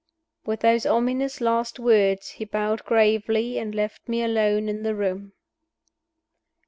With those ominous last words he bowed gravely and left me alone in the room.